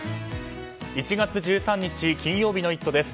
１月１３日、金曜日の「イット！」です。